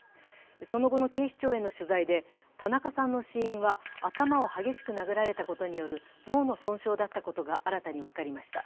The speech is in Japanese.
その後の警視庁への取材で田中さんの死因は、頭を激しく殴られたことによる脳の損傷だったことが新たに分かりました。